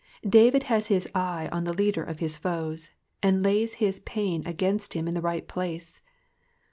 David has his eye on the leader of his foes, and lays his plaint against him in the right place.